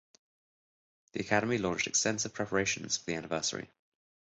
The academy launched extensive preparations for the anniversary.